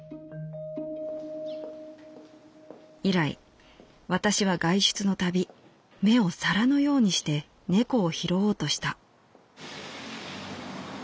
「以来私は外出のたび目を皿のようにして猫を拾おうとした」。